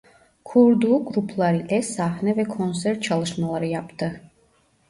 Kurduğu gruplar ile sahne ve konser çalışmaları yaptı.